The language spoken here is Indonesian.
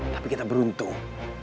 tapi kita beruntung